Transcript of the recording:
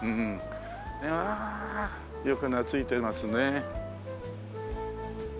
わあよく懐いていますね。